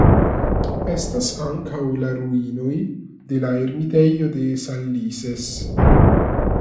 Estas ankaŭ la ruinoj de la ermitejo de Sanlices.